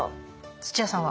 土屋さんは？